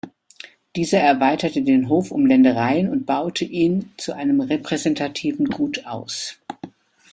Dieser erweiterte den Hof um Ländereien und baute ihn zu einem repräsentativen Gut aus.